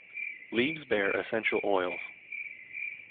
Leaves bear essential oils.